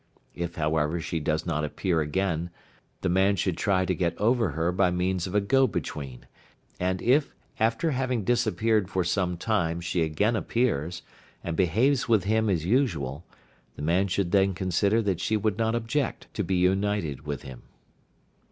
If however she does not appear again, the man should try to get over her by means of a go between; and if, after having disappeared for some time she again appears, and behaves with him as usual, the man should then consider that she would not object to be united with him.